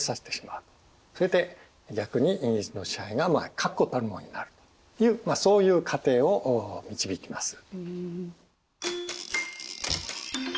それで逆にイギリスの支配が確固たるものになるというそういう過程を導いています。